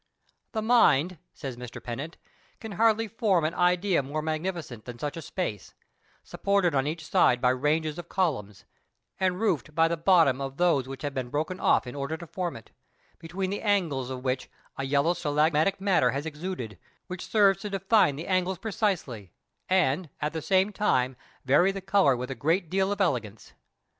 The mind, says Mr. Pennant, can hardly form an idea more magnificent than such a space, supported on each side by ranges of columns, and roofed by the bottom of those which have been broken off in order to form it, between the angles of which a yellow stalagmatic matter has exuded, which serves to define the angles precisely, and, at the same time, vary the color with a great deal of elegance.